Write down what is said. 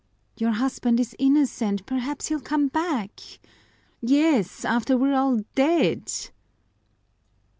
"Your husband is innocent. Perhaps he'll come back." "Yes, after we're all dead!"